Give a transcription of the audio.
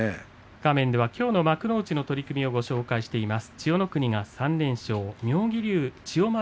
画面では、きょうの幕内の取組をご紹介しています。